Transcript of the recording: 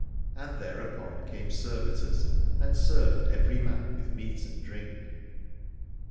And thereupon came servitors and served every man with meat and drink.